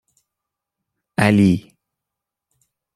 علی